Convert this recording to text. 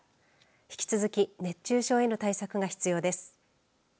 引き続き熱中症への対策が必要です。